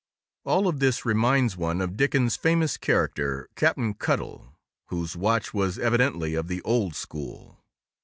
_] All of this reminds one of Dickens' famous character, Cap'n Cuttle, whose watch was evidently of the old school.